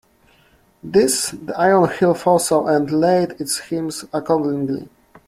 This the Iron Heel foresaw and laid its schemes accordingly.